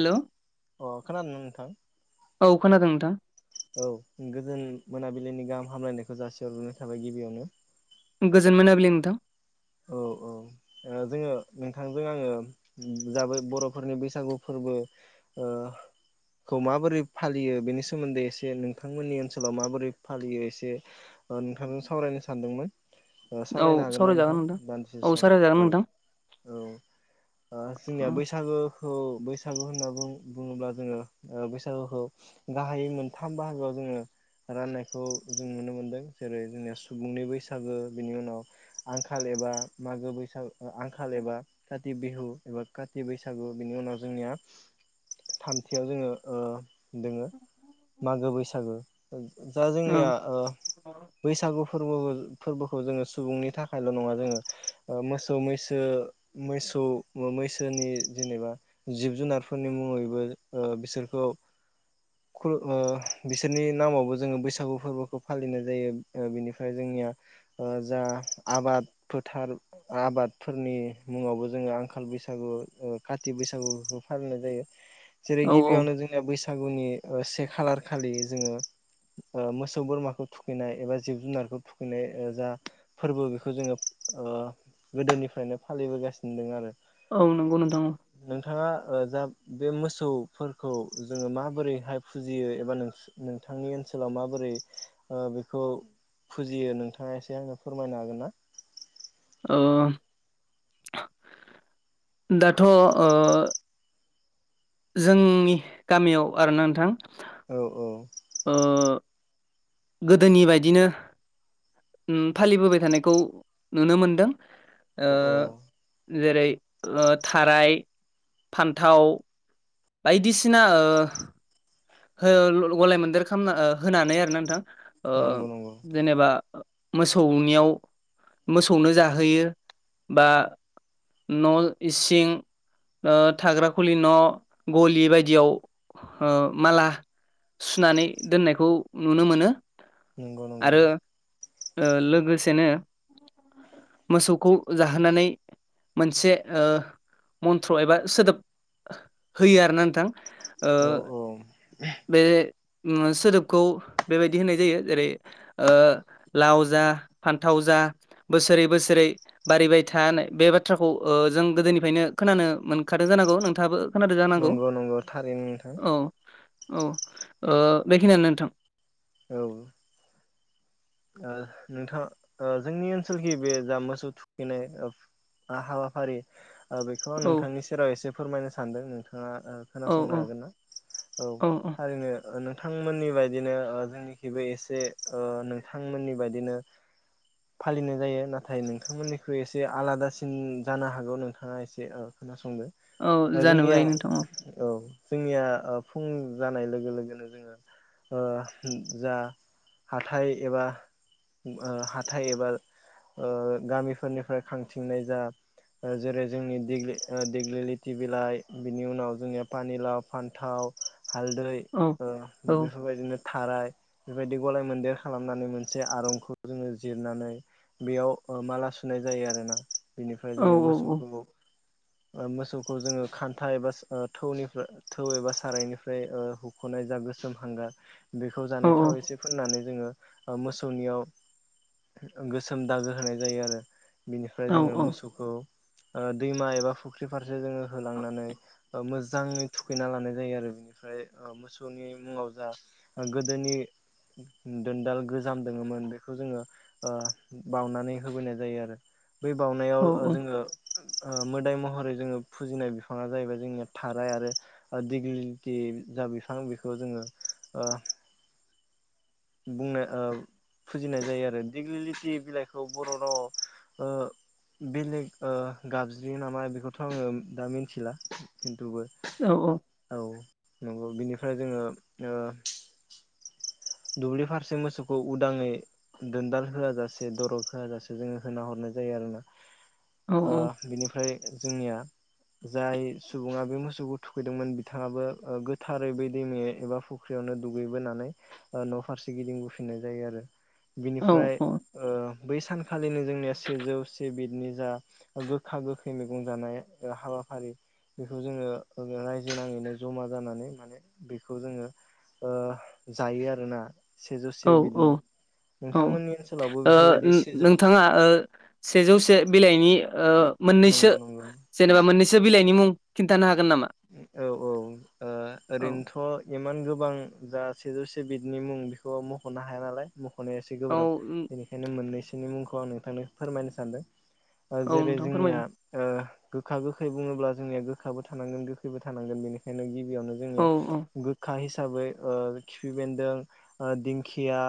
Hello अ खोनादोंना नोंथां? औ खोनादों नोंथां। औ गोजोन मोनाबिलिनि गाहाम हामलायनायखौ जासिहरग्रोननाय थाबाय गिबियावनो। गोजोन मोनाबिलि नोंथां। औ औ ओ जोङो नोंथांजों आङो जाबाय बर'फोरनि बैसागु फोरबो ओ ओ खौ माबोरै फालियो बेनि सोमोन्दै एसे नोंथांमोननि ओनसोलाव माबोरै फालियो एसे ओ नोंथांजो सावरायनो सानदोंमोन औ सावरायनो हागोन ना सावरायजागोन नोंथां? दान्दिसे औ सम सावरायजागोन औ-औ नोंथां ओ जोंनिया ओं बैसागो खौ बैसागु होनना बुं-बुङोब्ला जोङो ओ बैसागुखौ गाहायै मोनथाम बाहागोआव ज जोङो राननायखौ जों नुनो मोन्दों। जेरै जोंनिया सुबुंनि बैसागु बिनि उनाव आंखा खाल एबा मागो बैसाग आंखाल एबा काति बिहु एबा काति बैसागु बिनि उनाव जों जोंनिया थामथियाव जोङो ओ दोङो मागो बैसागो दा जोंनिया ओ बैसागु फोरबोबो फोरबोखौ जोङो सुबुंनि थाख खायल' नङा जोङो ओ मोसौ, मैसो, मोसौ, मैसोनि जेनेबा जिब-जुनारफोरनि मुङैबो ओ बिसोरखौ खुल ओ बिसोरनि नामावबो जोङो बैसागु फोरबोखौ फालिनाय जायो ओ बिनिफ्राय जोंन निया जा आबाद फोथार आबादफोरनि मुङावबो जोङो आंखाल बैसागु ओ खाथि बै सागुखौ फालिनाय जायो जेरै औ गिबियावनो जोंनिया बैसागुनि ओ से खालार खालि जोङो ओ मोसौ, बोरमाखौ थुखैनाय एबा जिब-जुनारखौ थुखैनाय ओ जा फोरबो बेफ खौ जोङो ओ गोदोनिफ्रायनो फालिबोगासिनो दोङो आरो। औ नंगौ नोंथां [inaudible] नोंथाङा ओ जा बे मोसौफोरखौ जोङो माबोरैहाय फुजियो एबा नो-नोंथांनि ओनसोलाव माबोर रै बेखौ फुजियो नोंथाङा एसे आंनो फोरमायनो हागोन ना? ओ [inaudible] दाथ' ओ जोंनि गामियाव आरोना नोंथां औ औ। ओ गोदोनि बायदिनो उम फालिबोबाय थानायखौ नुनो मोनदों। ओ औ औ जेरै थाराय फान्थाव बायदिसिना गलाय मोन्देर खालामना होनानै आरो नोंथां ओ नंगौ नंगौ जेनेबा मोसौनियाव मोसौनो जाहोयो बा न' इसिं थाग्रा खुलि न' गलि बायदियाव ओ माला सुनानै दोननायखौ नुनो मोनो नंगौ नंगौ आरो लोगोसेनो मोसौखौ जाहोनानै मोनसे ओ मन्थ्र एबा सोदोब होयो आरोना नोंथां ओ औ औ बे सोदोबखौ बेबायदि होननाय जायो जेरै ओ लाव जा फान्थाव जा बोसोरै बोसोरै बारिबाय था बे बाथ्राखौ ओ जों गोदोनिफ्रायनो खोनानो मोनखादों जानांगौ नोंथाङाबो खोनादों जानांगौ [unintelligible] थारैनो औ औ ओ बेखिनियानो नोंथां नोंथाङा ओ जोंनि ओनसोलखि बे जा मोसौ थुखैनाय हाबाफारि बेखौ आं औ नोंथांनि सेराव एसे फोरमायनो सानदों नोंथां ङा औ खोनासंनो औ हागोन ना औ [unintelligible] नों थांमोननि बायदिनो ओ जोंनिखिबो एसे ओ नोंथांमोननि बायदिनो फालिनाय जायो नाथाय नोंथांमोननिख्रुइ एसे आलादासिन जानो हागौ नोंथाङा एसे खोना संदो औ जोंनिया जानुबाय नोंथां औ जोंनिया ओ फुं जानाय लोगो लोगोनो जोङो ओ जा हाथाय एबा हाथाय एबा ओ गामिफोरनिफ्राय खांथिंनाय जा जेरै जोंनि देग्लि देग्लि लिथि बिलाइ बिनि उनाव जोंनिया पानिलााव फान्थाव हालदै औ ओ औ बेफोरबायदिनो थाराय बेबायदि गलाय मोन्देर खालामनानै मोनसे आरं खुद जोङो जिरनानै बेयाव ओ माला सुनाय जायो आरोना बेनिफ्राय औ जोङो मोसौखौ ओ मोसौखौ जोङो खान्था एबा सो ओ थौनिफ्राय थौ एबा सारायनिफ्राय ओ हुख'नाय जा गोसोम हांगार बेखौ औ जानाय थाव एसे फोननानै जोङो ओ मोसौनियाव गोसोम दागो होनाय जायो आरो बेनिफ्राय औ जोङो औ औ मोसौखौ ओ दैमा एबा फुख्रि फारसे जोङो होलांनानै ओ मोजाङै थुखैना लानाय जायो आरो ओमफ्राय ओ मोसौनि मुङाव जा ओ गोदोनि दोनदाल गोजाम दोङोमोन बेखौ जोङो ओ बाउनानै होबोनाय जायो आरो बै औ बाउनायाव ओ जोङो ओ मोदाय महरै जोङो फुजिनाय बिफाङा जाहैबाय जोंनि थाराय आरो दिग्लि लिथि जा बिफां बेखौ जोङो ओ बुंनो ओ फुजिनाय जायो आरो दिेग्लिलिथि बिलाइखौ बर' रावाव ओ बेलेग ओ गाबज्रियो नामा बेखौथ' आङो दा मिन्थिला औ [unintelligible] औ नंगौ बिनिफ्राय जोङो ओ दुब्लि फारसे मोसौखौ उदाङै दोनदाल होआ जासे दरग होआ जासे जोङो होना हरनाय जायो आरोना ओ बिनिफ्राय जोंनिया जाय सुबुङा बे मोसौखौ थुखैदोंमोन बिथाङाबो ओ गोथारै बै दैमे एबा फु ख्रियावनो दुगैबोनानै ओ न' फारसे गिदिंबोफिननाय जायो आरो बिनिफ्राय औ ओ बै सानखालिनो जोंनिया सिजौ से नि जा गोखा गोखै मैगं जानाय ओ हाबाफारि बेखौ जोङो रायजो नाङैनो जमा जानानै माने बेखौ जोङो ओ जायो आरोना सेजौ से औ बिदिनो औ ओ उम सेजौ नोंथाङा ओ सेजौसे बिलाइनि ओ मोननैसो नंगौ नंगौ जेनेबा मोननैसो बिलाइनि मुं खिन्थानो हा औ औ ओ औ ओरैनोथ' इमान गोबां जा सेजौसे बिदिनि मुं बेखौ मख'नो हाया नालाय मख'नाया एसे औ गोब्राब बेनिखायनो मोननैसोनि मुं खौ आं नोंथांनो फोरमायनो सानदों औ जेरै नोंथां जोंनिया फोरमायना ओ गोखा गोखै बुङोब्ला जोंनिया गोखाबो थानांगोन गोखैबो थानांगोन बेनिखायनो गि बियावनो औ जोंनिया गोखा हिसा साबै ओ खिफि बेन्दों ओ दिंखिया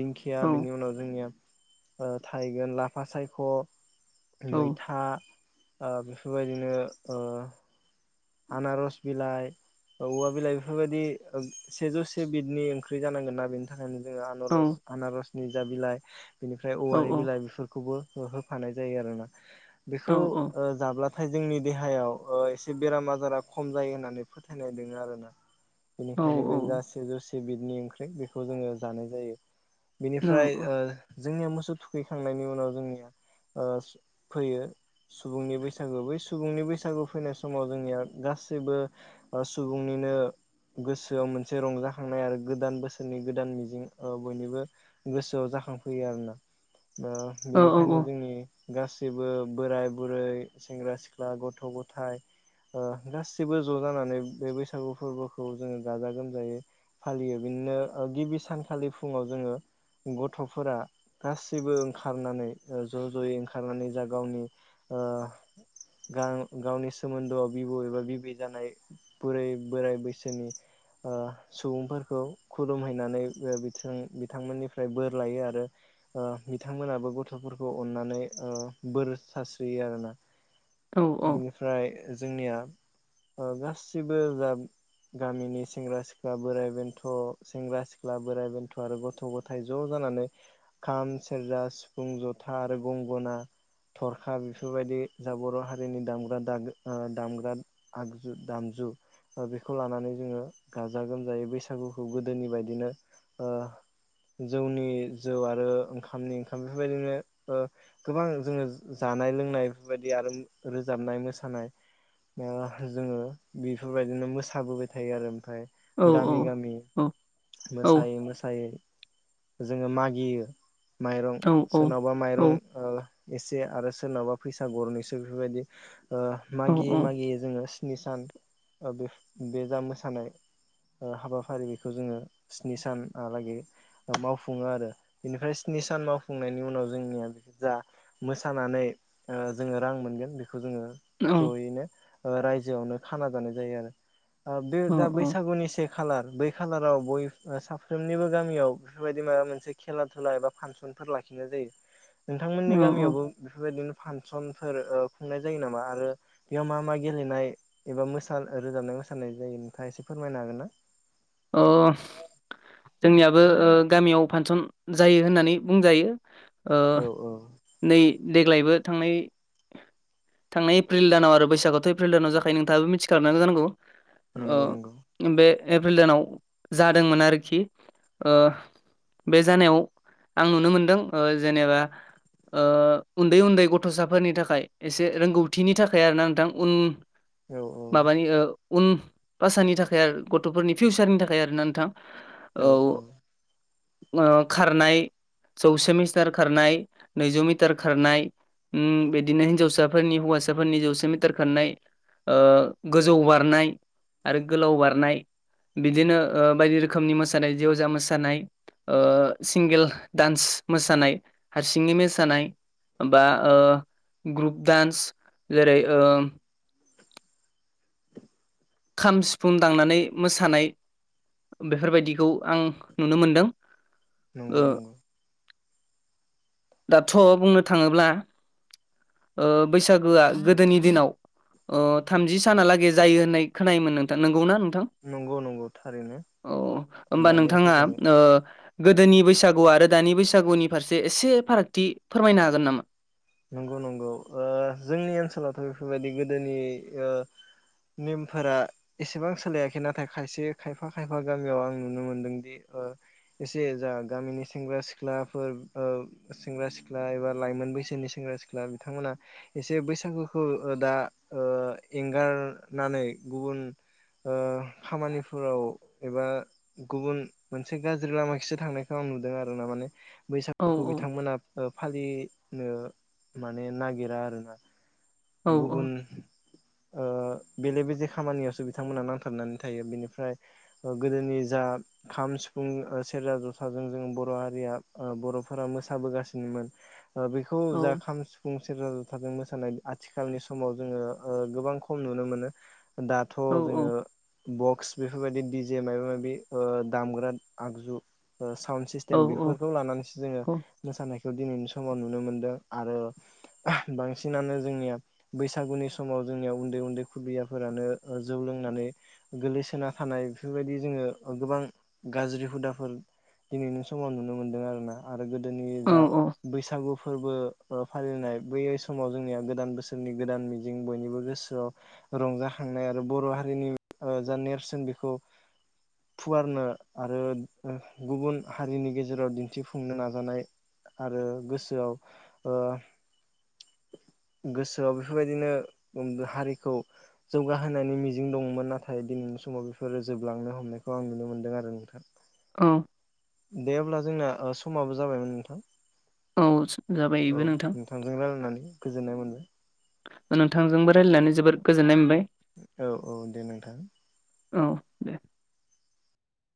दिंखिया औ बेनि उनाव जोंनिया ओ थाहैगोन लाफा सायख' औ मैथा ओ बेफोरबायदिनो ओ आनारस बिलाइ औवा बिलाइ बेफोरबायदि ओ सेजौसे बिदनि ओंख्रि जानांगोन ना बेनि थाखायनो जोङो औ आनारस आनारसनि जा बिलाइ बिनिफ्राय औ औवानि औ बिलाइ बेफोरखौबो हो-होफानाय जायो आरोना बेखौ औ ओ जाब्लाथाय जोंनि देहायाव ओ एसे बेराम आजारा खम जायो होननानै फोथायनाय दोङो आरोना औ बेनिखायनो बे औ जा सेजौसे बिदनि ओंख्रै बेखौ जोङो जानाय जायो औ बिनिफ्राय ओ जोंनिया मोसौ थुखैखांनायनि उनाव जोंनिया ओ फैयो सुबुंनि बैसागो बै सुबुंनि बैसागु फैनाय समाव जोंनिया गासैबो ओ सुबुंनिनो गोसोआव मोनसे रंजाखांनाय आरो गोदान बोसोरनि गोदान मिजिं ओ बयनिबो गोसोआव जा खांफैयो आरोना ओ औ बेनिखायनो जोंनि गासैबो बोराय बुरै सेंग्रा सिख्ला गथ' गथाइ ओ गासिबो ज' जानानै बे बैसागु फोरबोखौ जोङो गाजा गोमजायै फालियो बिननो ओ गिबि सानखालि फुङाव जोङो गथ'फोरा गासिबो ओंखारनानै ओ ज' ज'यै ओंखारनानै जा गावनि ओ गां गावनि सोमोन्दोआव बिबौ एबा बिबै जानाय बुरै बोराय बैसोनि ओ सुबुंफोरखौ खुलुमहैनानै ओ बिथों बिथांमोननिफ्राय बोर लायो आरो बिथांमोनाबो गथ'फोरखौ अननानै बोर सास्रियो आरोना औ - औ बिनिफ्राय जोंनिया गासिबो जा गामिनि सेंग्रा- सिख्ला, बोराय- बेन्थ', सेंग्रा- सिख्ला, बोराइ- बेन्थ' आरो गथ' -गथाय ज' ज' जानानै खाम, सेरजा, सिफुं, जथा आरो गंगना थरखा बेफोरबायदि जा बर' हारिनि दामग्रा दामग्रा आगजु दामजु बेखौ लानानै जोङो गाजा- गोमजायै बैसागुखौ गोदोनि बायदिनो जौनि जौ आरो ओंखामनि ओंखाम बेफोरबायदिनो गोबां जोङो जा जानाय - लोंनाय बेफोरबायदि आरो रोजाबनाय -मोसानाय मोसानाय जोङो बेफोरबायदिनो मोसाबोबाय थायो आरो ओमफ्राय गामि - गामि मोसायै मोसायै जोङो मागियो माइरं सोरनावबा माइरं औ एसे आरो सोरनावबा फैसा गरनैसो बेफोरबायदि मागियै - मागियै जोङो स्नि सान बे बे जा मोसानाय हाबाफारि बेखौ जोङो स्नि सानलागै मावफुङो आरो बेनिफ्राय स्नि सान मावफुंनायनि उनाव जोंनिया जा मोसानानै जोङो रां मोनगोन बेखौ जोङो जयैनो रायजोआवनो खाना जानाय जायो आरो बे जा बैसागुनि से खालार बै खालाराव बय साफ्रोमनिबो गामियाव बेफोरबायदि माबा मोनसे खेला खुला एबा फांसन फोर लाखिनाय जायो औ नोंथांमोननि गामियावबो बेफोरबायदिनो फांसनफोर खुंनाय जायो नामा आरो आरो बेयाव मा मा गेलेनाय एबा मोसा रोजाबनाय- मोसानाय जायो नोंथाङा एसे फोरमायनो हागोन ना अ जोंनियाबो गामियाव फांसन जायो होननानै बुंजायो औ औ नै देग्लायबो थांनाय -थांनाय एप्रिल दानाव आरो बैसागुथ' एप्रिल दानाव जाखायो नोंथाङाबो मिथिखानांगौ जानांगौ ओ नंगौ नंगौ बे एप्रिल दानाव जादोंमोन आरोखि बे जानायाव आं नुनो मोनदों जेनेबा उन्दै- उन्दै गथ'साफोरनि थाखाय एसे रोंगौथिनि थाखाय आरोना नोंथां उन औ औ माबानि उन भाषानि थाखाय आरो गथ'फोरनि फिउचारनि थाखाय आरोना नोंथां औ - औ खारनाय जौसे मिटार खारनाय नैजौ मिटार खारनाय उम बिदिनो हिन्जावसाफोरनि हौवासाफोरनि जौसे मिटार खारनाय गोजौ बारनाय आरो गोलाव बारनाय बिदिनो बायदि रोखोमनि मोसानाय जेवजा मोसानाय सिंगोल दडान्स मोसानाय हारसिंनि मोसानाय बा ग्रुप डान्स जेरै खाम सिफुं दांनानै मोसानाय बेफोरबायदिखौ आं नुनो मोनदों ओ नंगौ नंगौ दाथ' बुंनो थाङोब्ला बैसागोआ गोदोनि दिनाव थामजि सानालागै जायो होननाय खोनायोमोन नोंथां नंगौना नंगौ नंगौ थारैनो औ होमबा दानियाथ' नोंथाङा जोङो गोदोनि बैसागु आरो दानि बैसागुनि फारसे एसे फारागथि फोरमायनो हागोन नामा नंगौ नंगौ जोंनि ओनसोलावथ' बेफोरबायदि गोदोनि नेमफोरा एसेबां सोलायाखै नाथाय खायसे खायफा - खायफा गामियाव आं नुनो मोनदोंदि [unintelligible] एसे जा गामिनि सेंग्रा- सिख्लाफोर सेंग्रा- सिख्ला एबा लाइमोन बैसोनि सायाव सेंग्रा- सिख्ला बिथांमोना एसे बैसागुखौ दा एंगारनानै गुबुन ओ खामानिफोराव एबा गुबुन मोनसे गाज्रि लामााखसो थांनायखौ आं नुदों आरो ना माने औ बैसागुखौ बिथांमोना फालिनो माने नागिरा आरोना औ गुबुन ओ बेले बेजे खामानियावसो बिथांमोना नांथाबनानै थायो बेनिफ्राय गोदोनि जा खाम सिफुं, सेरजा, जथाजों जों बर' हारिया ओ बर'फोरा मोसाबोगासिनोमोन। ओ बेखौ औ जा खाम, सिफुं, सेरजा, जाथाजों मोसानाय आथिखालनि समाव जोङो गोबां खम नुनो मोनो। दाथ' औ जोङो बक्स बेफोरबायदि डिजे माबा माबि ओ दामग्रा आगजु ओ साउन्ड औ सिस्टेम बेफोरखौ लानानैसो जोङो मोसानायखौ दिनैनि समाव नुनो मोनदों। आरो बांसिनानो जोंनिया बैसागुनि समाव जोंनिया उन्दै उन्दै खुदियाफोरानो जौ लों नानै गोगलैसोना थानाय बेफोरबायदि जोङो गोबां गाज्रि हुदाफोर दिनैनि समाव नुनो मोनदों आरोना आरो गोदोनि औ जा बैसागु फोरबो फालिनाय बै समाव जोंनिया गोदान बोसोरनि गोदान मिजिं बयनिबो गोसोआव रंजा खांनाय आरो बर' हारिनि ओ जा नेरसोन बेखौ फुवारनो आरो गुबुन हारिनि गेजेराव दिन्थिफुंनो नाजानाय आरो गोसोआव ओ गोसोआव बेफोरबायदिनो उन्द हारिखौ जौगाहोनायनि मिजिं दंमोन नाथाय दिनै नि समाव बेफोरो जोबलांनो हमनायखौ आं नुनो मोन्दों आरो नोंथां। औ दे अब्ला जोंना ओ समाबो जाबायमोन नोंथां। औ स औ नोंथांजों रायलायनानै गोजोन्नाय मोनबाय। ओ नोंथांजोंबो रायलायनानै जोबोर गोजोन्नाय मोनबाय। औ औ दे नोंथां। औ दे।